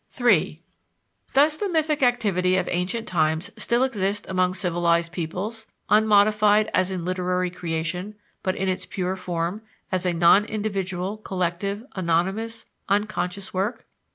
III Does the mythic activity of ancient times still exist among civilized peoples, unmodified as in literary creation, but in its pure form, as a non individual, collective, anonymous, unconscious, work?